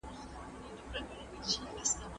هغه باید مړ ږدن ډنډ ته نږدې وګڼي.